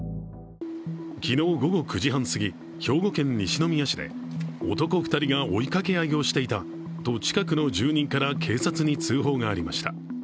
昨日、午後９時３０分過ぎ兵庫県西宮市で男２人が追いかけ合いをしていたと近くの住人から警察に通報がありました。